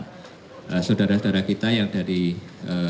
dan saudara saudara kita yang dari hb ini ditempatkan